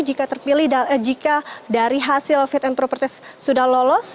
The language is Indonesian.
jika terpilih jika dari hasil fit and proper test sudah lolos